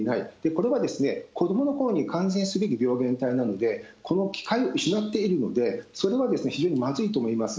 これは子どものころに感染すべき病原体なので、この機会を失っているので、それは非常にまずいと思います。